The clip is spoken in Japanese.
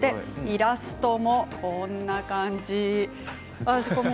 イラストもこんな感じ。